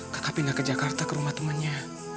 kakak pindah ke jakarta ke rumah temannya